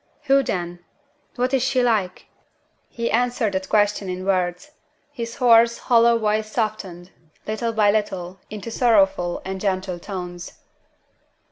"Who, then? What is she like?" He answered that question in words. His hoarse, hollow voice softened, little by little, into sorrowful and gentle tones.